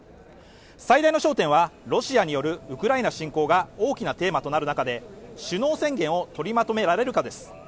最大の焦点はロシアによるウクライナ侵攻が大きなテーマとなる中で首脳宣言を取りまとめられるかです